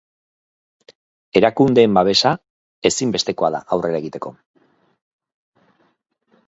Erakundeen babesa ezinbestekoa da aurrera egiteko.